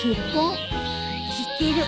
知ってる。